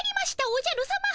おじゃるさま。